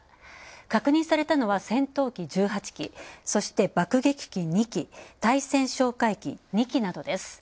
確認されたのは戦闘機１８機、そして爆撃機２機対潜哨戒機２機などです。